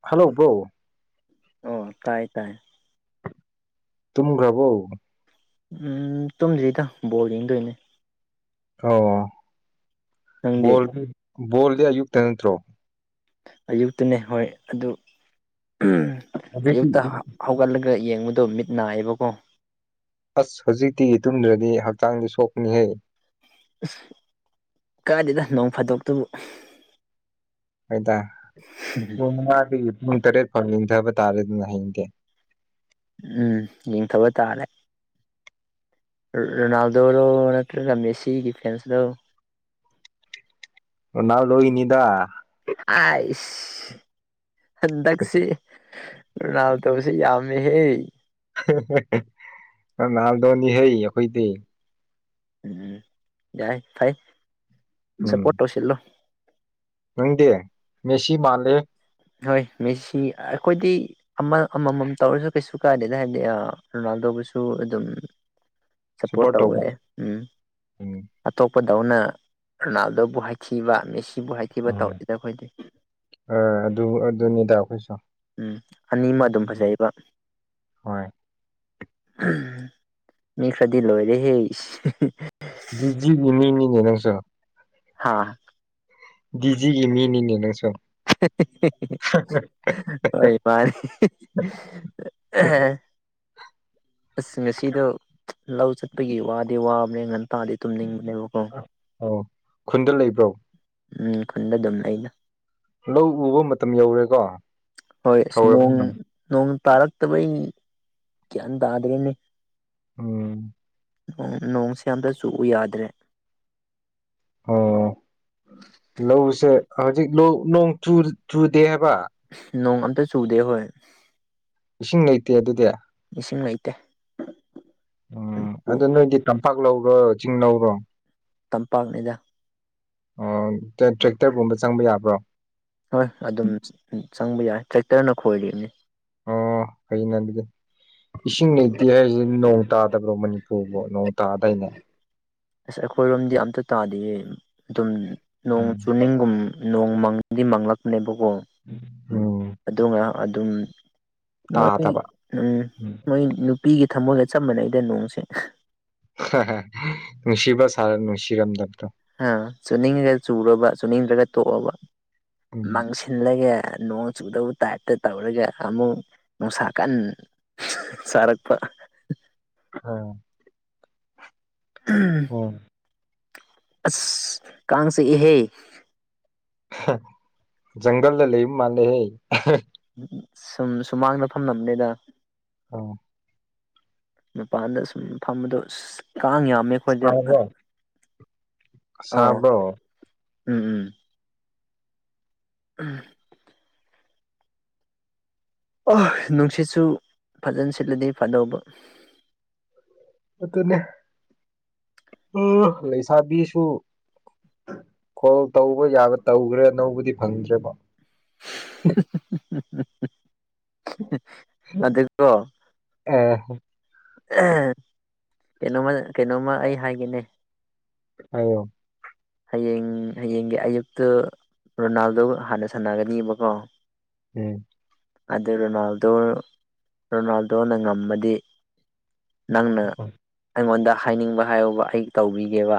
hello bro ꯑꯣ ꯇꯥꯏ ꯇꯥꯏ ꯇꯨꯡꯈ꯭ꯔꯕꯣ ꯎꯝ ꯇꯨꯝꯗ꯭ꯔꯤꯗ ꯕꯣꯜ ꯌꯦꯡꯗꯣꯏꯅꯦ ꯑꯣ ꯅꯪꯗꯤ ꯕꯣꯜꯗꯤ ꯕꯣꯜꯗꯤ ꯑꯌꯨꯛꯇ ꯅꯠꯇ꯭ꯔꯣ ꯑꯌꯨꯛꯇꯅꯦ ꯍꯣꯏ ꯑꯗꯨ ꯍꯧꯖꯤꯛꯇꯤ ꯑꯌꯨꯛꯇ ꯍꯧꯒꯠꯂꯒ ꯌꯦꯡꯕꯗꯣ ꯃꯤꯠ ꯅꯥꯏꯌꯦꯕꯀꯣ ꯑꯁ ꯍꯧꯖꯤꯛꯇꯤ ꯇꯨꯝꯗ꯭ꯔꯗꯤ ꯍꯛꯆꯥꯡꯗꯤ ꯁꯣꯛꯄꯅꯤꯍꯩ ꯑ ꯀꯥꯗꯗ ꯅꯣꯡ ꯐꯥꯗꯣꯛꯇꯨꯕꯨ ꯍꯣꯏꯗ [unintelligible] ꯄꯨꯡ ꯃꯉꯥꯒꯤ ꯄꯨꯡ ꯇꯔꯦꯠ ꯐꯥꯎ ꯅꯤꯡꯟꯊꯕ ꯇꯥꯔꯦꯗꯅ ꯍꯌꯦꯡꯗꯦ ꯎꯝ ꯌꯦꯡꯊꯕ ꯇꯥꯔꯦ ꯔꯣꯅꯥꯜꯗꯣꯗ ꯅ ꯀ ꯃꯦꯁꯤꯒꯤ ꯐꯦꯟꯁ ꯂꯣ ꯔꯣꯅꯥꯜꯗꯣꯒꯅꯤꯗ ꯑꯥꯏꯁ ꯍꯟꯗꯛꯁꯦ ꯔꯣꯅꯥꯜꯗꯣꯁꯤ ꯌꯥꯝꯃꯤ ꯍꯦ ꯔꯣꯅꯥꯜꯗꯣꯅꯤ ꯍꯩ ꯑꯩꯈꯣꯏꯗꯤ ꯎꯝ ꯌꯥꯏ ꯐꯩ ꯁꯞꯄꯣꯔꯠ ꯇꯧꯁꯤꯜꯂꯣ ꯅꯪ ꯗꯦ ꯃꯦꯁꯤ ꯃꯥꯂꯦ ꯍꯣꯏ ꯃꯦꯁꯤ ꯑꯩꯈꯣꯏꯗꯤ ꯑꯃ ꯑꯃꯃꯝ ꯇꯧꯔꯁꯨ ꯀꯩꯁꯨ ꯀꯥꯏꯗꯦꯗ ꯍꯥꯏꯕꯗꯤ ꯔꯣꯅꯥꯜꯗꯣꯕꯨꯁꯨ ꯑꯗꯨꯝ ꯁꯄꯣꯠ ꯁꯞꯄꯣꯔꯠ ꯇꯧꯋꯦ ꯇꯧꯕ ꯎꯝ ꯎꯝ ꯑꯇꯣꯞꯄꯗꯧꯅ ꯔꯣꯅꯥꯜꯗꯣꯕꯨ ꯍꯥꯏꯊꯤꯕ ꯃꯦꯁꯤꯕꯨ ꯍꯥꯏꯊꯤꯕ ꯇꯧꯗꯦꯗ ꯑꯩꯈꯣꯏꯗꯤ ꯑ ꯑꯗꯨ ꯑꯗꯨꯅꯤꯗ ꯑꯩꯈꯣꯏꯁꯨ ꯎꯝ ꯑꯅꯤꯃ ꯑꯗꯨꯝ ꯐꯖꯩꯕ ꯍꯣꯏ ꯃꯤ ꯈꯔꯗꯤ ꯂꯣꯏꯔꯦꯍꯦ ꯖꯤꯅꯤ ꯃꯤꯅꯤꯅꯦ ꯅꯪꯁꯨ ꯍꯥꯥ ꯗꯤꯖꯤꯒꯤ ꯃꯤꯅꯤꯅꯦꯅ ꯆꯣ ꯍꯣꯏ ꯃꯥꯅꯤ ꯑꯁ ꯉꯁꯤꯗ ꯂꯧ ꯆꯠꯄꯒꯤ ꯋꯥꯗꯤ ꯋꯥꯕꯅꯦ ꯉꯟ ꯇꯥꯗꯤ ꯇꯨꯝꯅꯤꯡꯕꯅꯦꯕꯀꯣ ꯑꯣ ꯈꯨꯟꯗ ꯂꯩꯕ꯭ꯔꯣ ꯎꯝ ꯈꯨꯟꯗ ꯑꯗꯨꯝ ꯂꯩꯗ ꯂꯧ ꯎꯕ ꯃꯇꯝ ꯌꯧꯔꯦꯀꯣ ꯍꯣꯏ ꯑꯁ ꯅꯣꯡ ꯍꯧꯔꯕꯅ ꯅꯣꯡ ꯇꯥꯔꯛꯇꯕꯩ ꯒ꯭ꯌꯥꯟ ꯇꯥꯗ꯭ꯔꯦꯅꯦ ꯑꯣꯝ ꯅꯣꯡꯁꯦ ꯑꯝꯇ ꯆꯨ ꯌꯥꯗ꯭ꯔꯦ ꯑꯣ ꯂꯧꯁꯦ ꯍꯧꯖꯤꯛ ꯅꯣꯡ ꯆꯨꯗꯦ ꯍꯥꯏꯕ ꯅꯣꯡ ꯑꯝꯇ ꯆꯨꯗꯦ ꯍꯣꯏ ꯏꯁꯤꯡ ꯂꯩꯇꯦ ꯑꯗꯨꯗꯤ ꯏꯁꯤꯡ ꯂꯩꯇꯦ ꯎꯝ ꯑꯗꯨ ꯅꯣꯏꯗꯤ ꯇꯝꯄꯥꯛ ꯂꯧꯔꯣ ꯆꯤꯡ ꯂꯧꯔꯣ ꯇꯝꯄꯥꯛꯅꯤꯗ ꯑꯣ ꯇ꯭ꯔꯦꯛꯇꯔꯒꯨꯝꯕ ꯆꯪꯕ ꯌꯥꯕ꯭ꯔꯣ ꯍꯣꯏ ꯑꯗꯨꯝ ꯆꯪꯕ ꯌꯥꯏ ꯇ꯭ꯔꯦꯛꯇꯔꯅ ꯈꯣꯏꯔꯤꯕꯅꯤ ꯑꯥ ꯍꯩꯅ ꯑꯗꯨꯗꯤ ꯏꯁꯤꯡ ꯂꯩꯇꯦ ꯍꯥꯏꯔꯤꯁꯤꯗꯤ ꯅꯣꯡ ꯇꯥꯗꯕ꯭ꯔꯣ ꯃꯅꯤꯄꯨꯔꯕꯨꯣ ꯅꯣꯡ ꯇꯥꯗꯥꯏꯅꯦ ꯑꯁ ꯑꯩꯈꯣꯏꯔꯣꯝꯗꯤ ꯑꯝꯇ ꯇꯥꯗꯦ ꯑꯗꯨꯝ ꯅꯣꯡ ꯎꯝ ꯆꯨꯅꯤꯡꯒꯨꯝ ꯅꯣꯡ ꯃꯪꯗꯤ ꯃꯪꯂꯪꯂꯛꯄꯅꯦꯕꯀꯣ ꯎꯝ ꯑꯗꯨꯒ ꯑꯗꯨꯝ ꯃꯣꯏ ꯇꯥꯗꯕ ꯎꯝ ꯃꯣꯏ ꯅꯨꯄꯤꯒꯤ ꯊꯃꯣꯏꯒ ꯆꯞ ꯃꯥꯅꯩꯗ ꯅꯣꯡꯁꯦ ꯅꯨꯡꯁꯤꯕ ꯁꯥꯔ ꯅꯨꯡꯁꯤꯔꯝꯗꯕꯗꯣ ꯑ ꯆꯨꯅꯤꯡꯉꯒ ꯆꯨꯔꯕ ꯆꯨꯅꯤꯡꯗ꯭ꯔꯒ ꯇꯣꯛꯑꯕ ꯎꯝ ꯃꯥꯡꯁꯤ ꯂꯩꯌꯦ ꯅꯣꯡ ꯆꯨꯗꯕ ꯇꯥꯏꯞꯇ ꯇꯧꯔꯒ ꯑꯃꯨꯛ ꯅꯨꯡꯁꯥ ꯀꯟ ꯆꯥꯔꯛꯄ [unintelligible] [unintelligible] [unintelligible] ꯑꯁ ꯀꯥꯡ ꯆꯤꯛꯏꯍꯦ ꯖꯪꯒꯜꯗ ꯂꯩꯕ ꯃꯥꯜꯂꯦꯍꯦ ꯁꯨꯝ ꯁꯨꯃꯥꯡꯗ ꯐꯝꯅꯝꯅꯦꯗ ꯑꯣ ꯃꯄꯥꯟꯗ ꯁꯨꯝ ꯐꯝꯗꯣ ꯑꯁ ꯀꯥꯡ ꯌꯥꯝꯃꯦ ꯑꯈꯣꯏꯗꯤ ꯑꯁꯥꯕ꯭ꯔꯣ ꯎꯝ ꯎꯝ [unintelligible] ꯅꯨꯡꯁꯤꯠꯁꯨ ꯐꯖꯅ ꯁꯤꯠꯂꯗꯤ ꯐꯗꯧꯕ ꯑꯗꯨꯅꯦ ꯂꯩꯁꯥꯕꯤꯁꯨ ꯀꯣꯜ ꯇꯧꯕ ꯌꯥꯕ ꯇꯧꯒ꯭ꯔꯦ ꯑꯅꯧꯕꯗꯤ ꯐꯪꯗ꯭ꯔꯦꯕ ꯑꯗꯨꯀꯣ ꯑꯦ ꯀꯩꯅꯣꯃ ꯀꯩꯅꯣꯝꯃ ꯑꯩ ꯍꯥꯏꯒꯦꯅꯦ ꯍꯥꯏꯌꯣ ꯍꯌꯦꯡ ꯍꯌꯦꯡꯒꯤ ꯑꯌꯨꯛꯇꯨ ꯔꯣꯅꯥꯜꯗꯣꯒ ꯍꯥꯟꯅ ꯁꯥꯟꯅꯒꯅꯦꯕꯀꯣ ꯎꯝ ꯑꯗꯨ ꯔꯣꯅꯥꯜꯗꯣ ꯔꯣꯅꯥꯜꯗꯣꯅ ꯉꯝꯃꯗꯤ ꯅꯪꯅ ꯑꯩꯉꯣꯟꯗ ꯍꯥꯏꯅꯤꯡꯕ ꯍꯥꯏꯌꯣꯕ ꯑꯩ ꯇꯧꯕꯤꯒꯦꯕ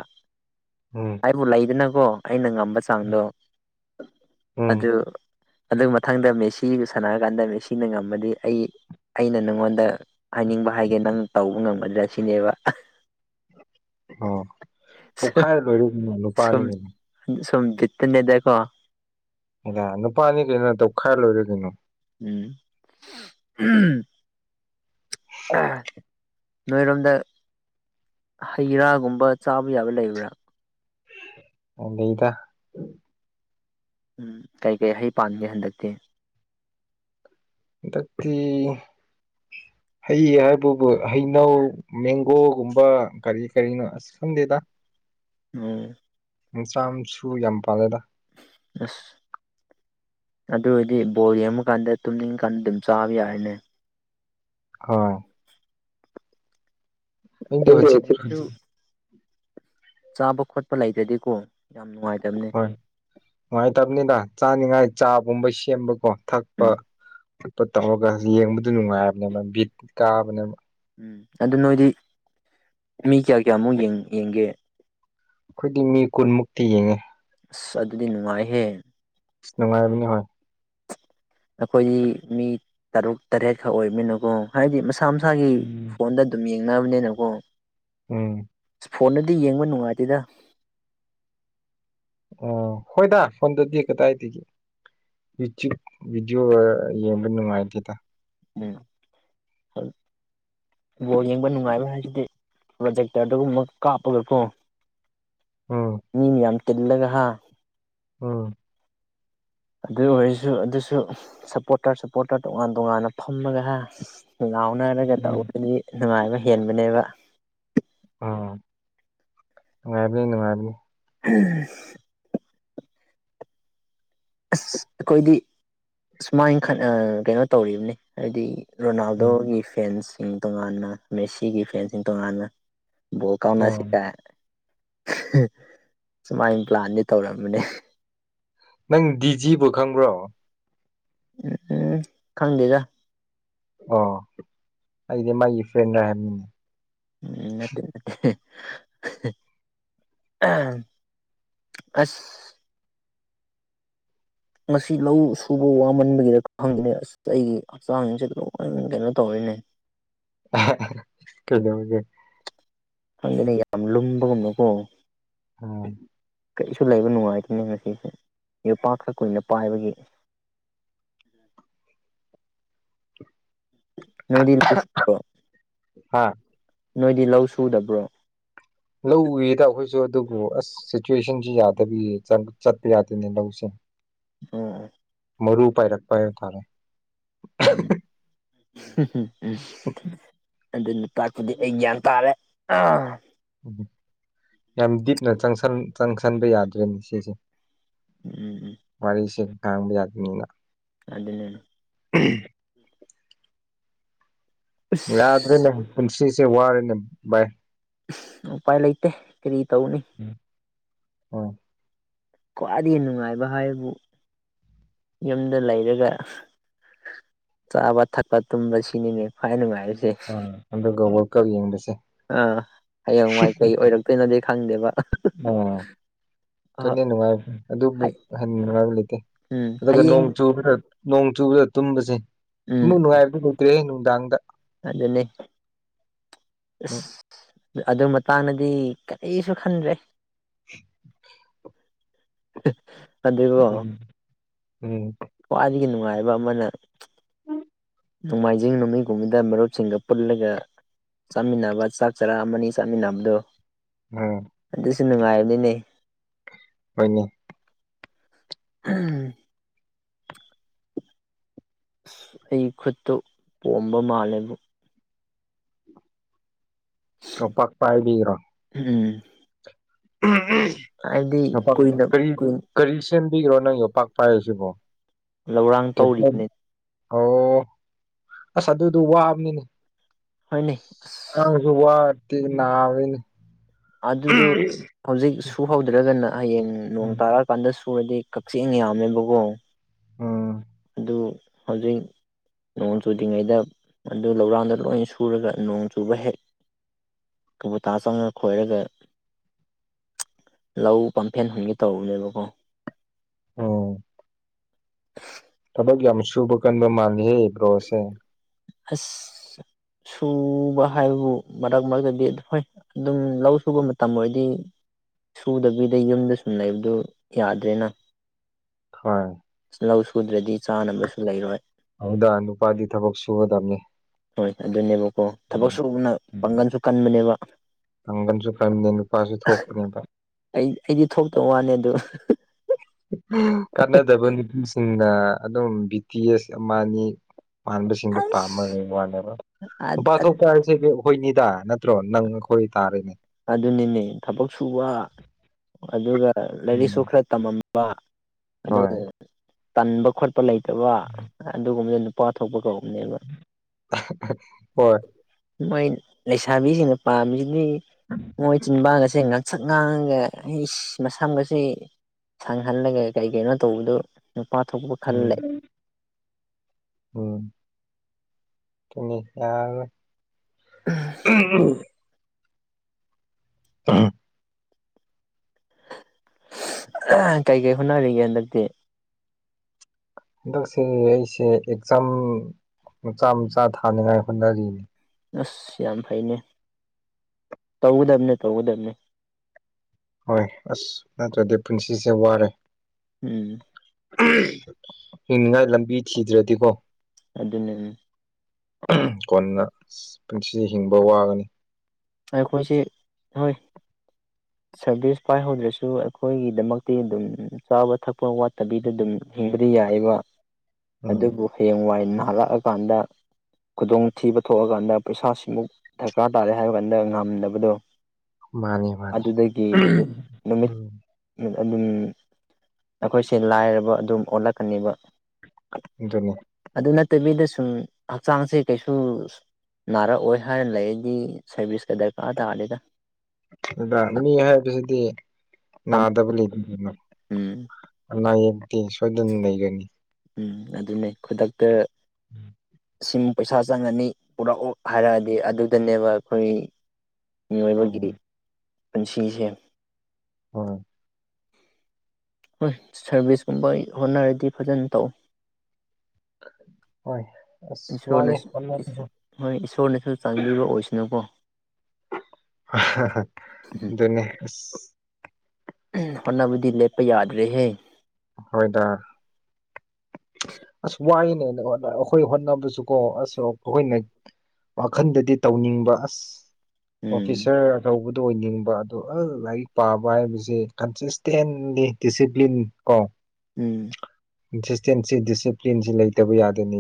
ꯎꯝ ꯑꯩꯕꯨ ꯂꯩꯗꯅꯀꯣ ꯑꯩꯅ ꯉꯝꯕ ꯆꯥꯡꯗꯣ ꯎꯝ ꯑꯗꯨ ꯑꯗꯨ ꯃꯊꯪꯗ ꯃꯦꯁꯤꯒ ꯁꯥꯟꯅꯔꯀꯥꯟꯗ ꯃꯦꯁꯤꯅ ꯉꯝꯃꯗꯤ ꯑꯩ ꯑꯩꯅ ꯅꯪꯉꯣꯟꯗ ꯍꯥꯏꯅꯤꯡꯕ ꯍꯥꯏꯒꯦ ꯅꯪ ꯇꯧꯕ ꯉꯝꯒꯗ꯭ꯔꯥ ꯁꯤꯅꯦꯕ ꯑꯣ ꯇꯧꯈꯥꯏ ꯂꯣꯏꯔꯤꯅꯦ ꯁꯨꯝ ꯅꯨꯄꯥꯅꯤꯅꯦ ꯁꯨꯝ ꯕꯤꯠꯇ ꯅꯦꯗꯀꯣ ꯑꯗ ꯅꯨꯄꯥꯅꯤ ꯀꯩꯅꯣ ꯇꯧꯈꯥꯏ ꯂꯣꯏꯔꯦ ꯀꯩꯅꯣ ꯎꯝ ꯅꯣꯏꯔꯣꯝꯗ ꯍꯩ ꯔꯥꯒꯨꯝꯕ ꯆꯥꯕ ꯌꯥꯕ ꯂꯩꯕ꯭ꯔꯥ ꯑꯣ ꯂꯩꯗ ꯎꯝ ꯀꯩꯀꯩ ꯍꯩ ꯄꯥꯟꯒꯦ ꯍꯟꯗꯛꯇꯤ ꯍꯟꯗꯛꯇꯤ ꯍꯩ ꯍꯥꯏꯕꯕꯨ ꯍꯩꯅꯧ ꯃꯦꯡꯒꯣꯒꯨꯝꯕ ꯀꯔꯤ ꯀꯔꯤꯅꯣ ꯈꯪꯗꯦꯗ [unintelligible] ꯃꯆꯥꯝ ꯃꯁꯨ ꯌꯥꯝ ꯄꯥꯜꯂꯦꯗ ꯑꯁ ꯑꯗꯨ ꯑꯣꯏꯗꯤ ꯕꯣꯜ ꯌꯦꯡꯕꯀꯥꯟꯗ ꯇꯨꯝꯅꯤꯡꯀꯥꯟꯗ ꯑꯗꯨꯝ ꯆꯥꯕ ꯌꯥꯔꯦꯅꯦ ꯍꯣꯏ ꯅꯪꯗꯤ ꯍꯧꯖꯤꯛ ꯁꯨ ꯆꯥꯕ ꯈꯣꯠꯄ ꯂꯩꯇ꯭ꯔꯗꯤꯀꯣ ꯌꯥꯝ ꯅꯨꯡꯉꯥꯏꯇꯕꯅꯤ ꯍ ꯅꯨꯡꯉꯥꯏꯇꯕꯅꯤꯗ ꯆꯥꯅꯤꯡꯉꯥꯏ ꯆꯥꯒꯨꯝꯕ ꯁꯦꯝꯕꯀꯣ ꯊꯛꯄ ꯎꯝ ꯈꯣꯠꯄ ꯇꯧꯔꯒ ꯌꯦꯡꯕꯗꯨ ꯅꯨꯡꯉꯥꯏꯕꯅꯦꯕ ꯕꯤꯠ ꯀꯥꯕꯅꯦꯕ ꯎꯝ ꯑꯗꯨ ꯅꯣꯏꯗꯤ ꯃꯤ ꯀꯌꯥ ꯀꯌꯥꯃꯨꯛ ꯌꯦꯡꯒꯦ ꯑꯩꯈꯣꯏꯒꯤ ꯃꯤ ꯀꯨꯟꯃꯨꯛꯇꯤ ꯌꯦꯡꯉꯦ ꯑꯁ ꯑꯗꯨꯗꯤ ꯅꯨꯡꯉꯥꯏꯍꯦ ꯑꯁ ꯅꯨꯡꯉꯥꯏꯕꯅꯦ ꯍꯣꯏ ꯑꯩꯈꯣꯏꯗꯤ ꯃꯤ ꯇꯔꯨꯛ ꯇꯔꯦꯠꯈꯛ ꯑꯣꯏꯕꯃꯤꯅꯀꯣ ꯍꯥꯏꯗꯤ ꯃꯁꯥ ꯃꯁꯥꯒꯤ ꯎꯝ ꯐꯣꯟꯗ ꯑꯗꯨꯝ ꯌꯦꯡꯅꯕꯅꯤꯅꯀꯣ ꯎꯝ ꯑꯁ ꯐꯣꯟꯗꯗꯤ ꯌꯦꯡꯕ ꯅꯨꯡꯉꯥꯏꯇꯦꯗ ꯑꯣ ꯍꯣꯏꯗ ꯐꯣꯟꯗꯗꯤ ꯀꯗꯥꯏꯗꯒꯤ ꯌꯨꯇ꯭ꯌꯨꯕ ꯚꯤꯗꯤꯑꯣ ꯌꯦꯡꯕ ꯅꯨꯡꯉꯥꯏꯇꯦꯗ ꯎꯝ ꯍ [unintelligible] ꯕꯣꯜ ꯌꯦꯡꯕ ꯅꯨꯡꯉꯥꯏꯕ ꯍꯥꯏꯁꯤꯗꯤ ꯄ꯭ꯔꯣꯖꯦꯛꯇꯔꯗ ꯒꯨꯝꯕ ꯀꯥꯞꯄꯒꯀꯣ ꯎꯝ ꯃꯤ ꯃꯌꯥꯝ ꯇꯤꯜꯂꯒ ꯍꯥ ꯎꯝ ꯑꯗꯨ ꯑꯣꯏꯔꯁꯨ ꯑꯗꯨꯁꯨ ꯁꯞꯄꯣꯔꯇꯔ ꯁꯞꯄꯣꯔꯇꯔ ꯇꯣꯉꯥꯟ ꯇꯣꯉꯥꯟꯅ ꯐꯝꯃꯒ ꯍꯥ ꯂꯥꯎꯅꯔꯒ ꯎꯝ ꯇꯧꯕꯗꯤ ꯅꯨꯡꯉꯥꯏꯕ ꯍꯦꯟꯕꯅꯦꯕ ꯎꯝ ꯅꯨꯡꯉꯥꯏꯕꯅꯤ ꯅꯨꯡꯉꯥꯏꯕꯅꯤ [unintelligible] ꯑꯁ ꯑꯩꯈꯣꯏꯗꯤ ꯁꯨꯃꯥꯏꯅ ꯈꯠꯅ ꯀꯩꯅꯣ ꯇꯧꯔꯤꯕꯅꯤ ꯍꯥꯏꯗꯤ ꯎꯝ ꯔꯣꯅꯥꯜꯗꯣꯒꯤ ꯐꯦꯟꯁꯤꯡ ꯇꯣꯉꯥꯟꯅ ꯃꯦꯁꯤꯒꯤ ꯐꯦꯟꯁꯤꯡ ꯇꯣꯉꯥꯟꯅ ꯕꯣꯜ ꯀꯥꯎꯅꯁꯤ ꯑꯣ ꯀꯥꯏ ꯁꯨꯃꯥꯏꯅ ꯄ꯭ꯂꯥꯟꯗꯤ ꯇꯧꯔꯝꯕꯅꯦ ꯅꯪ ꯗꯤꯖꯤꯕꯨ ꯈꯪꯕ꯭ꯔꯣ ꯎꯝ ꯈꯪꯗꯦꯗ ꯑꯣ ꯑꯩꯗꯤ ꯃꯥꯒꯤ ꯐ꯭ꯔꯦꯟꯔ ꯍꯥꯏꯕꯅꯤꯅꯦ ꯎꯝ ꯅꯠꯇꯦ ꯅꯠꯇꯦ ꯑꯍꯝ ꯑꯁ ꯉꯁꯤ ꯂꯧ ꯁꯨꯕ ꯋꯥꯃꯟꯕꯒꯤꯔ ꯈꯪꯗꯦꯅꯦ ꯑꯁ ꯑꯩꯒꯤ ꯍꯛꯆꯥꯡꯁꯤꯡꯁꯦ ꯂꯣꯏꯅ ꯀꯩꯅꯣ ꯇꯧꯔꯦꯅꯦ ꯀꯩꯗꯧꯔꯒꯦ ꯈꯣꯗꯦ ꯌꯥꯝ ꯂꯨꯝꯕꯒꯨꯝꯅꯀꯣ ꯑꯣ ꯀꯔꯤꯁꯨ ꯂꯩꯕ ꯅꯨꯡꯉꯥꯏꯇꯦꯅꯦ ꯉꯁꯤꯁꯦ ꯌꯣꯄꯥꯛ ꯈꯔ ꯀꯨꯏꯅ ꯄꯥꯏꯕꯒꯤ ꯅꯣꯏꯗꯤ ꯂꯧ ꯁꯨꯕ꯭ꯔꯣ ꯍꯥ ꯅꯣꯏꯗꯤ ꯂꯧ ꯁꯨꯗꯕ꯭ꯔꯣ ꯂꯧ ꯎꯏꯗ ꯑꯩꯈꯣꯏꯁꯨ ꯑꯗꯨꯕꯨ ꯑꯁ ꯁꯤꯆꯨꯁꯦꯁꯟꯁꯤ ꯌꯥꯗꯕꯒꯤ ꯆꯠ ꯆꯠꯄ ꯌꯥꯗꯦ ꯅꯦ ꯂꯧꯁꯦ ꯎꯝ ꯃꯔꯨ ꯄꯥꯏꯔꯛꯄ ꯍꯥꯏꯇꯥꯔꯦ ꯎꯝ ꯑꯗꯨꯅ ꯇꯥꯛꯄꯗꯤ ꯑꯩ ꯒ꯭ꯌꯥꯟ ꯇꯥꯔꯦ ꯑ ꯌꯥꯝ ꯗꯤꯞꯅ ꯆꯪꯁꯤꯟ ꯆꯪꯁꯟꯕ ꯌꯥꯗ꯭ꯔꯦꯅꯦ ꯁꯤꯁꯦ ꯎꯝ ꯎꯝ ꯋꯥꯔꯤꯁꯦ ꯀꯝꯕꯤ ꯌꯥꯗꯅꯤꯅ ꯑꯗꯨꯅꯦ ꯑꯁ ꯌꯥꯗ꯭ꯔꯦꯅꯦ ꯄꯨꯟꯁꯤꯁꯦ ꯋꯥꯔꯦꯅꯦ ꯚꯥꯏ ꯎꯄꯥꯏ ꯂꯩꯇꯦ ꯀꯔꯤ ꯇꯧꯅꯤ ꯍꯣꯏ ꯈ꯭ꯋꯥꯏꯗꯒꯤ ꯅꯨꯡꯉꯥꯏꯕ ꯍꯥꯏꯕꯨ ꯌꯨꯝꯗ ꯂꯩꯔꯒ ꯆꯥꯕ ꯊꯛꯄ ꯇꯨꯝꯕ ꯁꯤꯅꯤꯅꯦ ꯈ꯭ꯋꯥꯏ ꯅꯨꯡꯉꯥꯏꯔꯤꯁꯦ ꯑ ꯑꯗꯨꯒ ꯋꯥꯜ ꯀꯞ ꯌꯦꯡꯕꯥꯁꯦ ꯑꯥ ꯍꯌꯦꯡꯋꯥꯏ ꯀꯩ ꯑꯣꯏꯔꯛꯇꯣꯏꯅꯗꯤ ꯈꯪꯗꯦꯕ ꯑꯍ ꯑꯗꯨꯅ ꯅꯨꯡꯉꯥꯏꯕ ꯑꯗꯨꯕꯨ ꯍꯥꯏ ꯍꯦꯟꯅ ꯅꯨꯡꯉꯥꯏꯕ ꯂꯩꯇꯦ ꯎꯝ ꯑꯗꯨꯒ ꯍꯌꯦꯡ ꯅꯣꯡ ꯆꯨꯕꯗ ꯅꯣꯡ ꯆꯨꯕꯗ ꯇꯨꯝꯕꯁꯦ ꯎꯝ ꯁꯤꯃꯨꯛ ꯅꯨꯡꯉꯥꯏꯕꯗꯤ ꯂꯩꯇ꯭ꯔꯦꯍꯦ ꯅꯨꯡꯗꯥꯡꯗ ꯑꯗꯨꯅꯦ ꯎꯝ ꯑꯁ ꯑꯗꯨ ꯃꯇꯥꯡꯗꯗꯤ ꯀꯔꯤꯁꯨ ꯈꯟꯗ꯭ꯔꯦ [inaudible] ꯑ [unintelligible] ꯎꯝ ꯎꯝ ꯈ꯭ꯋꯥꯏꯗꯒꯤ ꯅꯨꯡꯉꯥꯏꯕ ꯑꯃꯥꯅ ꯅꯣꯡꯃꯥꯏꯖꯤꯡ ꯅꯨꯃꯤꯠꯒꯨꯝꯕꯗ ꯃꯔꯨꯞꯁꯤꯡꯒ ꯄꯨꯜꯂꯒ ꯆꯥꯃꯤꯟꯅꯕ ꯆꯥꯛ ꯆꯔꯥ ꯑꯃꯅꯤ ꯆꯥꯃꯤꯟꯅꯕꯗꯣ ꯑꯣ ꯑꯗꯨꯁꯨ ꯅꯨꯡꯉꯥꯏꯕꯅꯤꯅꯦ ꯍꯣꯏꯅꯦ ꯍꯝ [unintelligible] ꯑꯩ ꯈꯨꯠꯇꯨ ꯄꯣꯝꯕ ꯃꯥꯜꯂꯦꯕꯨ ꯌꯣꯄꯥꯛ ꯄꯥꯏꯕꯒꯤꯔꯣ ꯎꯝ ꯍꯥꯏꯕꯗꯤ ꯌꯣꯄꯥꯛ ꯀꯨꯏꯅ ꯀꯔꯤ ꯀꯨꯏ ꯀꯔꯤ ꯁꯦꯝꯕꯒꯤꯔꯣ ꯅꯪꯅ ꯌꯣꯄꯥꯛ ꯄꯥꯏꯔꯤꯁꯤꯕꯣ ꯂꯧꯔꯥꯡ ꯇꯧꯔꯤꯕꯅꯦ [unintelligible] ꯑꯣ ꯑꯁ ꯑꯗꯨꯗꯨ ꯋꯥꯕꯅꯤꯅꯦ ꯍꯣꯏꯅꯦ ꯑꯁ ꯍꯛꯆꯥꯡꯁꯨ ꯋꯥꯇꯦ ꯅꯥꯕꯅꯤꯅꯦ ꯑꯗꯨꯗꯣ ꯍꯧꯖꯤꯛ ꯁꯨꯍꯧꯗ꯭ꯔꯒꯅ ꯍꯌꯦꯡ ꯅꯣꯡ ꯎꯝ ꯇꯥꯔꯛ ꯄꯥꯟꯗ ꯁꯨꯔꯗꯤ ꯀꯛꯆꯦꯡ ꯌꯥꯝꯃꯦꯕꯀꯣ ꯑ ꯑꯗꯨ ꯍꯧꯖꯤꯛ ꯅꯣꯡ ꯆꯨꯗ꯭ꯔꯤꯉꯩꯗ ꯑꯗꯨ ꯂꯧꯔꯥꯟꯗ ꯂꯣꯏ ꯁꯨꯔꯒ ꯅꯣꯡ ꯆꯨꯕ ꯍꯦꯛ ꯀꯕꯨꯇꯥ ꯆꯪꯉ ꯈꯣꯏꯔꯒ ꯂꯧ ꯄꯥꯝꯐꯦꯟ ꯍꯨꯟꯒꯦ ꯇꯧꯕꯅꯦꯕꯀꯣ ꯑꯣ ꯊꯕꯛ ꯌꯥꯝ ꯁꯨꯕ ꯀꯟꯕ ꯃꯥꯜꯂꯤꯍꯦ ꯕ꯭ꯔꯣꯁꯦ ꯑꯁ ꯁꯨꯕ ꯍꯥꯏꯕꯕꯨ ꯃꯔꯛ ꯃꯔꯛꯇꯗꯤ ꯍꯣꯏ ꯑꯗꯨꯝ ꯂꯧ ꯁꯨꯕ ꯃꯇꯝ ꯑꯣꯏꯔꯗꯤ ꯁꯨꯗꯕꯤꯗ ꯌꯨꯝꯗ ꯁꯨꯝ ꯂꯩꯩꯕꯗꯨ ꯌꯥꯗ꯭ꯔꯦꯅ ꯍꯣꯏ ꯂꯧ ꯁꯨꯗ꯭ꯔꯗꯤ ꯆꯥꯅꯕꯁꯨ ꯂꯩꯔꯣꯏ ꯑꯧꯗ ꯅꯨꯄꯥꯗꯤ ꯊꯕꯛ ꯁꯨꯒꯗꯕꯅꯤ ꯍꯣꯏ ꯑꯗꯨꯅꯦꯕꯀꯣ ꯊꯕꯛ ꯎꯝ ꯁꯨꯕꯅ ꯎꯝ ꯄꯥꯡꯒꯜꯁꯨ ꯀꯟꯕꯅꯦꯕ ꯄꯥꯡꯒꯟꯁꯨ ꯀꯟꯕꯅꯦ ꯅꯨꯄꯥꯁꯨ ꯊꯣꯛꯄꯅꯦꯗꯥ ꯑꯩ ꯑꯩꯗꯤ ꯊꯣꯛꯇ ꯋꯥꯅꯦ ꯑꯗꯨ ꯀꯥꯟꯅꯗꯕ ꯅꯨꯄꯤꯁꯤꯡꯅ ꯑꯗꯨꯝ ꯕꯤ ꯇꯤ ꯑꯦꯁ ꯑꯃ ꯑꯅꯤ ꯃꯥꯟꯕꯁꯤꯡꯗꯣ ꯄꯥꯝꯃꯒ ꯑꯁ ꯂꯩꯕ ꯋꯥꯅꯦꯕ ꯅꯨꯄꯥ ꯊꯣꯛꯄ ꯍꯥꯏꯁꯤ ꯑꯩꯈꯣꯏꯅꯤꯗ ꯅꯠꯇ꯭ꯔꯣ ꯅꯪ ꯑꯩꯈꯣꯏ ꯇꯥꯔꯦꯅꯦ ꯑꯗꯨꯅꯤꯅꯦ ꯊꯕꯛ ꯁꯨꯕ ꯑꯗꯨꯒ ꯂꯥꯏꯔꯤꯛꯁꯨ ꯎꯝ ꯈꯔ ꯇꯝꯃꯝꯕ ꯑꯗꯨꯒ ꯍꯣꯏ ꯇꯟꯕ ꯈꯣꯠꯄ ꯂꯩꯇꯕ ꯑꯗꯨꯒꯨꯝꯕꯗ ꯅꯨꯄꯥ ꯊꯣꯛꯄ ꯀꯧꯕꯅꯦꯕ ꯍꯣꯏ ꯃꯣꯏ ꯂꯩꯁꯥꯕꯤꯁꯤꯡꯅ ꯄꯥꯝꯃꯤꯁꯤꯗꯤ ꯃꯣꯏ ꯆꯤꯟꯕꯥꯟꯒꯁꯦ ꯉꯥꯡꯁꯛ ꯉꯥꯡꯉꯒ ꯑꯩꯏꯁ ꯃꯁꯝꯒꯁꯦ ꯁꯥꯡꯍꯜꯂꯒ ꯀꯩ ꯀꯩꯅꯣ ꯇꯧꯕꯗꯨ ꯅꯨꯄꯥ ꯊꯣꯛꯄ ꯈꯜꯂꯦ ꯎꯝ ꯎꯝ ꯑꯗꯨꯅꯦ ꯌꯥꯔꯔꯣꯏ ꯑꯨꯍ ꯑꯨ ꯎꯨꯍ ꯀꯩ ꯀꯩ ꯍꯣꯠꯅꯔꯤꯒꯦ ꯍꯟꯗꯛꯇꯤ ꯍꯟꯗꯛꯁꯦ ꯑꯩꯁꯦ ꯑꯦꯛꯆꯥꯝ ꯃꯆꯥ ꯃꯆꯥ ꯊꯥꯅꯤꯉꯥꯏ ꯍꯣꯠꯅꯔꯤ ꯑꯁ ꯌꯥꯝ ꯐꯩꯅꯦ ꯇꯧꯒꯗꯝꯅꯦ ꯇꯧꯒꯗꯝꯅꯦ ꯍꯣꯏ ꯑꯁ ꯅꯠꯇ꯭ꯔꯗꯤ ꯄꯨꯟꯁꯤꯁꯦ ꯋꯥꯔꯦ ꯎꯨꯝ ꯎꯨꯍ ꯍꯤꯡꯅꯤꯡꯉꯥꯏ ꯂꯝꯕꯤ ꯊꯤꯗ꯭ꯔꯗꯤꯀꯣ ꯑꯗꯨꯅꯦ ꯎꯝ ꯎꯨꯍ ꯀꯣꯟꯅ ꯄꯨꯟꯁꯤ ꯍꯤꯡꯕ ꯋꯥꯒꯅꯤ ꯑꯩꯈꯣꯏꯁꯦ ꯍꯣꯏ [inaudible] ꯁꯔꯚꯤꯁ ꯄꯥꯏꯍꯧꯗ꯭ꯔꯁꯨ ꯑꯩꯈꯣꯏꯒꯤꯗꯃꯛꯇꯤ ꯑꯗꯨꯝ ꯆꯥꯕ ꯊꯛꯄ ꯋꯥꯠꯇꯕꯤꯗ ꯑꯗꯨꯝ ꯍꯤꯡꯕꯗꯤ ꯌꯥꯏꯑꯦꯕ [inaudible] ꯑꯗꯨꯕꯨ ꯍꯌꯦꯡꯋꯥꯏ ꯅꯥꯂꯛꯑꯀꯥꯟꯗ ꯈꯨꯗꯣꯡꯊꯤꯕ ꯊꯣꯛꯑꯀꯥꯟꯗ ꯄꯩꯁꯥꯁꯤꯃꯨꯛ ꯗꯔꯀꯥꯔ ꯇꯥꯔꯦ ꯍꯥꯏꯔ ꯀꯥꯟꯗ ꯉꯝꯗꯕꯗꯣ ꯃꯥꯅꯤ ꯃꯥꯅꯤ ꯑꯗꯨꯗꯒꯤ ꯅꯨꯃꯤꯠ ꯎꯝ ꯑꯗꯨꯝ ꯑꯩꯈꯣꯏꯁꯦ ꯂꯥꯏꯔꯕ ꯑꯗꯨꯝ ꯑꯣꯜꯂꯛꯀꯅꯦꯕ ꯑꯗꯨꯅꯤ ꯑꯗꯨ ꯅꯠꯇꯕꯤꯗ ꯁꯨꯝ ꯍꯛꯆꯥꯡꯁꯦ ꯀꯩꯁꯨ ꯅꯥꯔꯛꯑꯣꯏ ꯍꯥꯏꯅ ꯂꯩꯔꯗꯤ ꯁꯔꯕꯤꯁ ꯀ ꯗꯔꯀꯥꯥ ꯇꯥꯗꯦꯗ [unintelligible] ꯃꯤ ꯍꯥꯏꯕꯁꯤꯗꯤ ꯅꯥꯗꯕ [unintelligible] ꯎꯝ ꯑꯅꯥꯌꯦꯛꯇꯤ ꯁꯣꯏꯗꯅ ꯂꯩꯒꯅꯤ ꯎꯝ ꯑꯗꯨꯅꯤ ꯈꯨꯗꯛꯇ [inaudible] ꯁꯤꯃ ꯄꯩꯁꯥ ꯆꯪꯉꯅꯤ ꯄꯨꯔꯛꯎ ꯍꯥꯏꯔꯛꯑꯗꯤ ꯑꯗꯨꯗꯅꯦꯕ ꯑꯩꯈꯣꯏ ꯃꯤꯑꯣꯏꯕꯒꯤ ꯎꯝ ꯄꯨꯟꯁꯤꯁꯦ ꯍꯣꯏ ꯍꯣꯏ ꯁꯔꯚꯤꯁꯀꯨꯝꯕ ꯍꯣꯠꯅꯔꯗꯤ ꯐꯖꯅ ꯇꯧ ꯍꯣꯢ ꯑꯁ ꯋꯥꯏꯌꯦ ꯏꯁꯣꯔꯅꯁꯨ ꯍꯣꯏ ꯏꯁꯣꯔꯅꯁꯨ ꯆꯥꯟꯕꯤꯕ ꯑꯣꯏꯁꯅꯨꯀꯣ ꯑꯗꯨꯅꯦ ꯑꯁ ꯍꯣꯠꯅꯕꯗꯤ ꯂꯦꯞꯄ ꯌꯥꯗ꯭ꯔꯦꯍꯦ ꯍꯣꯏꯗ ꯑꯁ ꯋꯥꯏꯅꯦ ꯑꯩꯈꯣꯏ ꯍꯣꯠꯅꯕꯁꯨꯀꯣ ꯑꯁ ꯑꯩꯈꯣꯏꯅ ꯋꯥꯈꯟꯗꯗꯤ ꯇꯧꯅꯤꯡꯕ ꯑꯁ ꯎꯝ ꯑꯣꯐꯤꯁꯥꯔ ꯇꯧꯕꯗꯣ ꯌꯦꯡꯕ ꯑꯗꯣ ꯑꯁ ꯂꯥꯏꯔꯤꯛ ꯄꯥꯕ ꯍꯥꯏꯕꯁꯦ ꯀꯟꯁꯤꯁꯇꯦꯟꯅꯤ ꯗꯤꯁꯤꯄ꯭ꯂꯤꯟ ꯀꯣ ꯎꯝ ꯀꯟꯁꯤꯁꯇꯦꯟꯁꯤ ꯗꯤꯁꯤꯄ꯭ꯂꯤꯟꯁꯤ ꯂꯩꯇꯕ ꯌꯥꯗꯦꯅꯦ